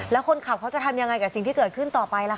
แล้วคนขับเขาจะทำยังไงกับสิ่งที่เกิดขึ้นต่อไปล่ะค